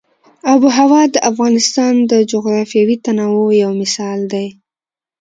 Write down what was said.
آب وهوا د افغانستان د جغرافیوي تنوع یو مثال دی.